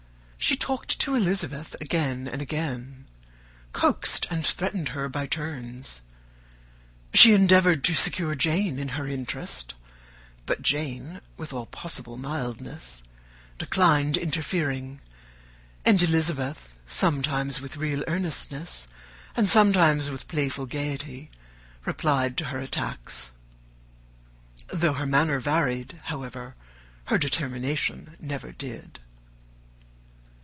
She talked to Elizabeth again and again; coaxed and threatened her by turns. She endeavoured to secure Jane in her interest, but Jane, with all possible mildness, declined interfering; and Elizabeth, sometimes with real earnestness, and sometimes with playful gaiety, replied to her attacks. Though her manner varied, however, her determination never did.